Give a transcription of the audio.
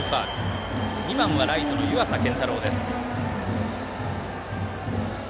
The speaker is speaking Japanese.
２番ライトの湯淺健太郎です。